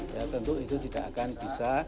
ya tentu itu tidak akan bisa